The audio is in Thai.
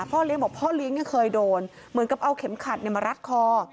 เลี้ยงบอกพ่อเลี้ยงยังเคยโดนเหมือนกับเอาเข็มขัดมารัดคอ